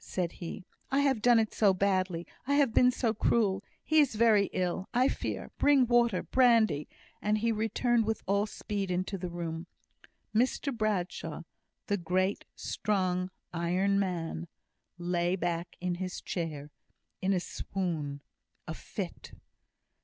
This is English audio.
said he, "I have done it so badly I have been so cruel he is very ill, I fear bring water, brandy " and he returned with all speed into the room. Mr Bradshaw the great, strong, iron man lay back in his chair in a swoon, a fit.